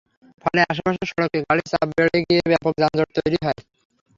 ফলে আশপাশের সড়কে গাড়ির চাপ বেড়ে গিয়ে ব্যাপক যানজট তৈরি হয়।